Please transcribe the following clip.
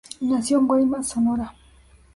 Nació en Guaymas, Sonora.